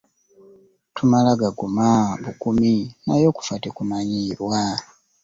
Tumala gaguma bugumi naye okufa tekumanyiirika.